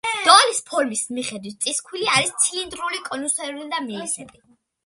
დოლის ფორმის მიხედვით წისქვილი არის ცილინდრული, კონუსური და მილისებრი.